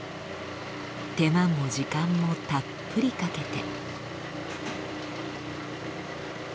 手間も時間もたっぷりかけて。